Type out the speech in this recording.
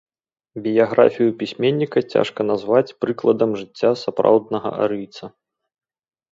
Біяграфію пісьменніка цяжка назваць прыкладам жыцця сапраўднага арыйца.